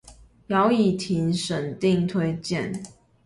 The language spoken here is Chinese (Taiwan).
姚以婷審定推薦